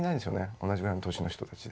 同じぐらいの年の人たちで。